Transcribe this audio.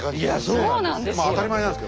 そうなんですよ。